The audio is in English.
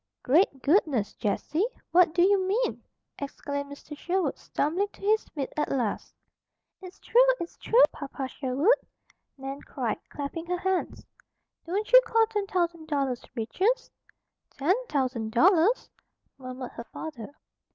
"Great goodness, Jessie! What do you mean? Exclaimed Mr. Sherwood, stumbling to his feet at last. "It's true! It's true, Papa Sherwood!" Nan cried, clapping her hands. "Don't you call ten thousand dollars riches?" "Ten, thousand, dollars?" murmured her father.